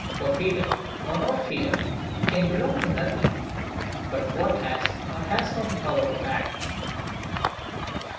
For freedom, or not freedom, can belong to nothing but what has or has not a power to act.